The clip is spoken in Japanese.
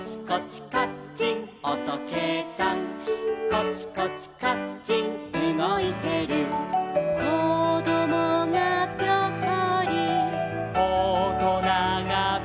「コチコチカッチンうごいてる」「こどもがピョコリ」「おとながピョコリ」